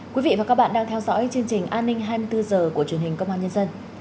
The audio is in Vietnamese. quý vị và các bạn đang theo dõi chương trình an ninh hai mươi bốn h của truyền hình công an nhân dân